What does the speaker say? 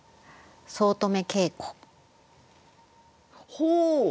ほう。